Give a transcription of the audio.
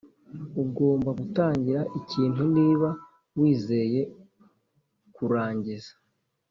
ugomba gutangira ikintu niba wizeye kurangiza;